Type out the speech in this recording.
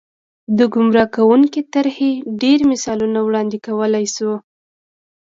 د ګمراه کوونکې طرحې ډېر مثالونه وړاندې کولای شو.